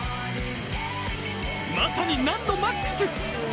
まさに難度マックス！